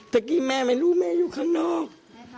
เมื่อกี้แม่ไม่รู้แม่อยู่ข้างนอก